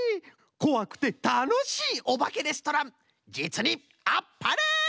こわくてたのしいおばけレストランじつにあっぱれ！